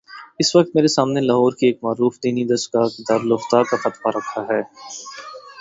اس وقت میرے سامنے لاہور کی ایک معروف دینی درس گاہ کے دارالافتاء کا فتوی رکھا ہے۔